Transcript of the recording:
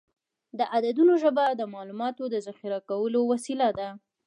د عددونو ژبه د معلوماتو د ذخیره کولو وسیله ده.